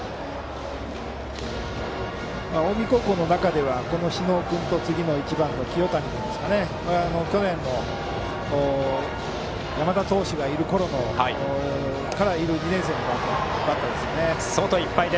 近江高校の中ではこの小竹君と次の１番の清谷君は去年の山田投手がいるころからいる２年生のバッターですね。